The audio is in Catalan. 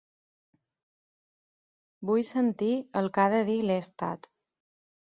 Vull sentir el que ha de dir Lestat.